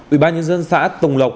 ủy ban nhân dân xã tùng lộc